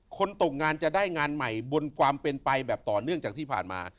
ตกงานจะได้งานใหม่บนความเป็นไปแบบต่อเนื่องจากที่ผ่านมา